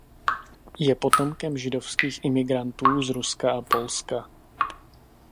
Je potomkem židovských imigrantů z Ruska a Polska.